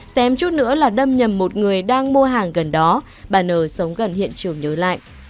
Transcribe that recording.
xem chút nữa là đâm nhầm một người đang mua hàng gần đó bà n sống gần hiện trường nhớ lại